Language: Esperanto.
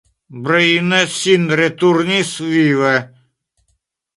Breine sin returnis vive.